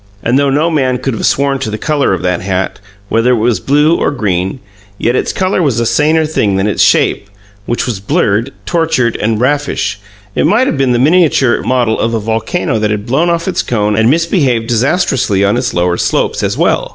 And though no man could have sworn to the color of that hat, whether it was blue or green, yet its color was a saner thing than its shape, which was blurred, tortured, and raffish; it might have been the miniature model of a volcano that had blown off its cone and misbehaved disastrously on its lower slopes as well.